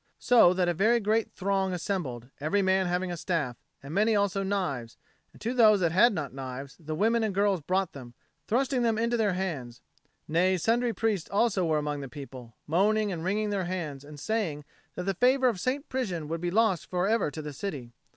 So that a very great throng assembled, every man having a staff, and many also knives; and to those that had not knives, the women and girls brought them, thrusting them into their hands; nay, sundry priests also were among the people, moaning and wringing their hands, and saying that the favour of St. Prisian would be lost for ever to the city.